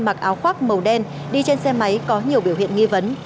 mặc áo khoác màu đen đi trên xe máy có nhiều biểu hiện nghi vấn